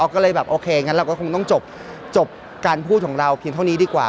ก็เลยแบบโอเคงั้นเราก็คงต้องจบการพูดของเราเพียงเท่านี้ดีกว่า